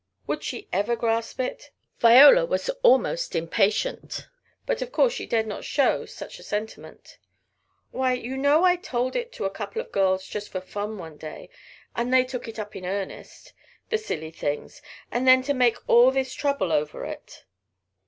Would she ever grasp it? Viola was almost impatient, but of course she dare not show such a sentiment. "Why, you know I told it to a couple of girls just for fun one day, and they took it up in earnest. The silly things! and then to make all this trouble over it!"